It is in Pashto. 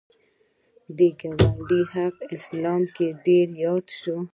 د ګاونډي حق اسلام کې ډېر یاد شوی